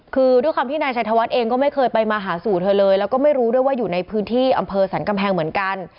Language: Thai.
คือด้วยความที่นายชัยธวัฒน์เองก็ไม่เคยไปมาหาสู่เธอเลยแล้วก็ไม่รู้ด้วยว่าอยู่ในพื้นที่อำเภอสรรกำแพงเหมือนกัน